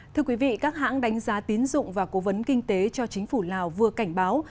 thưa quý vị các hãng đánh giá tín dụng và cố vấn kinh tế cho chính phủ lào vừa cảnh báo